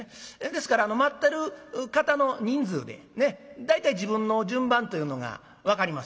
ですから待ってる方の人数で大体自分の順番というのが分かりますよ。